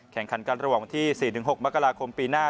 ประหว่างที่๔๖มกราคมปีหน้า